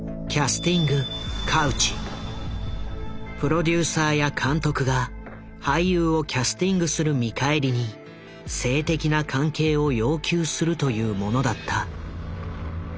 プロデューサーや監督が俳優をキャスティングする見返りに性的な関係を要求するというものだった。